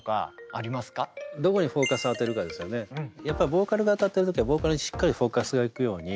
ボーカルがあたってる時はボーカルにしっかりフォーカスがいくように。